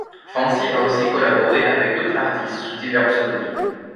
Fancy a aussi collaboré avec d'autres artistes sous divers pseudonymes.